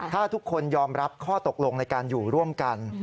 ถ้าทุกคนยอมรับข้อตกลงในการอยู่ร่วมกัน